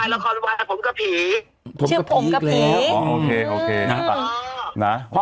ละครวายผมกับผีชื่อผมกับผีอ๋อโอเคโอเคอ๋อนะพอแล้วพอแล้ว